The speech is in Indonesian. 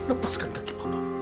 lepaskan kaki papa